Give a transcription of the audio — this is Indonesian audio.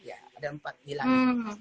ada empat bilang